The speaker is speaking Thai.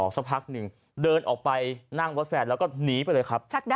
สักพักหนึ่งเดินออกไปนั่งรถแฟนแล้วก็หนีไปเลยครับ